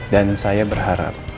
dan saya berharap